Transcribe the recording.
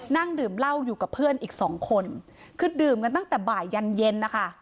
นั่งดื่มเหล้าอยู่กับเพื่อนอีกสองคนคือดื่มกันตั้งแต่บ่ายยันเย็นนะคะ